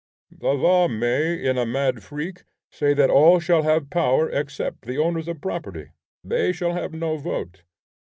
The law may in a mad freak say that all shall have power except the owners of property; they shall have no vote.